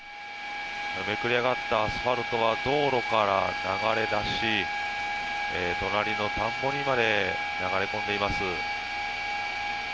めくれ上がったアスファルトが道路から流れ出し隣の田んぼにまで流れ込んでいます。